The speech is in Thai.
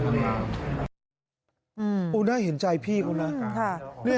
อุณหาเห็นใจพี่คุณนะ